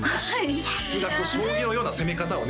さすが将棋のような攻め方をね